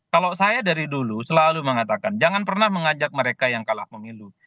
kalau saya dari dulu selalu mengatakan jangan pernah mengajak mereka yang kalah pemilu